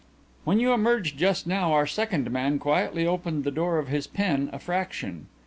"When you emerged just now our second man quietly opened the door of his pen a fraction.